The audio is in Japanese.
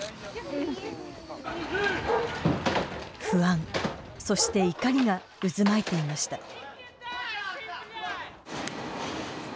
不安そして怒りが渦巻いていました。